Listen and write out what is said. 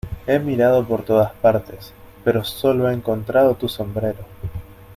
He mirado por todas partes, pero sólo he encontrado tu sombrero.